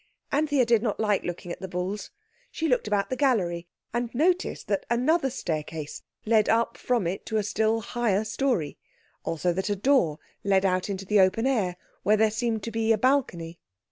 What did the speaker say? Anthea did not like looking at the bulls. She looked about the gallery, and noticed that another staircase led up from it to a still higher storey; also that a door led out into the open air, where there seemed to be a balcony.